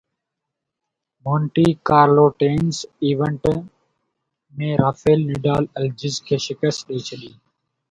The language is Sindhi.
Monte Carlo tennis event ۾ Rafael Nadal الجز کي شڪست ڏئي ڇڏي